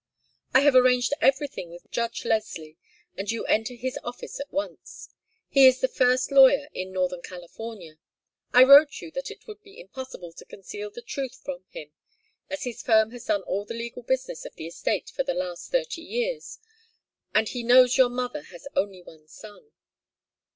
I have arranged everything with Judge Leslie, and you enter his office at once. He is the first lawyer of northern California. I wrote you that it would be impossible to conceal the truth from him, as his firm has done all the legal business of the estate for the last thirty years, and he knows your mother has only one son.